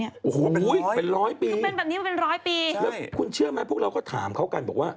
โอ้โฮเป็นร้อยปีใช่คุณเชื่อไหมพวกเราก็ถามเขากันบอกว่า